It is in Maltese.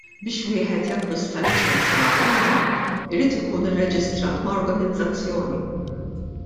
Biex wieħed jakkwista liċenzja għal arma jrid ikun irreġistrat ma' organizzazzjoni.